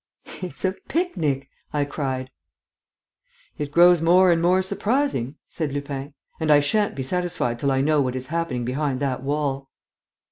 "It's a picnic!" I cried. "It grows more and more surprising," said Lupin, "and I sha'n't be satisfied till I know what is happening behind that wall."